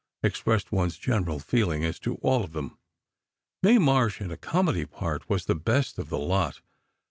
expressed one's general feeling as to all of them. Mae Marsh in a comedy part, was the best of the lot.